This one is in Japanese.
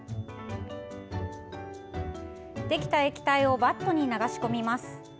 できた液体をバットに流し込みます。